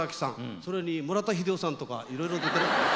それに村田英雄さんとかいろいろ出て。